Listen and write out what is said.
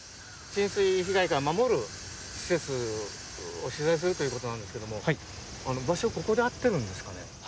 浸水被害から守る施設を取材するということですけれども場所、ここで合っているんですかね。